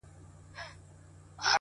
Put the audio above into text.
مهرباني د سختو حالاتو نرموونکې ده